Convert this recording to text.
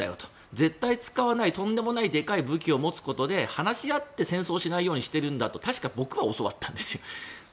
絶対使わないとんでもない武器を持つことで話し合って戦争しないようにしているんだと確か、僕は教わったんですよ。